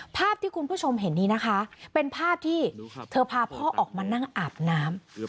ภาพที่คุณผู้ชมเห็นนี้นะคะเป็นภาพที่เธอพาพ่อออกมานั่งอาบน้ำ